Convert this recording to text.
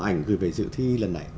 ảnh gửi về dự thi lần này